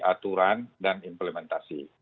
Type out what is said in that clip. aturan dan implementasi